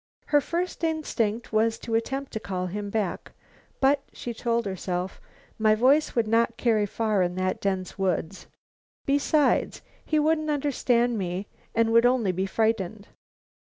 Her first instinct was to attempt to call him back. "But," she told herself, "my voice would not carry far in that dense woods. Besides, he wouldn't understand me and would only be frightened."